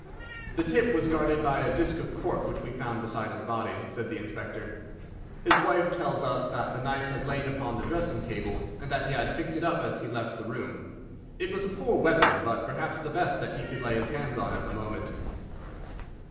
"The tip was guarded by a disk of cork which we found beside his body," said the Inspector. "His wife tells us that the knife had lain upon the dressing table, and that he had picked it up as he left the room. It was a poor weapon, but perhaps the best that he could lay his hands on at the moment."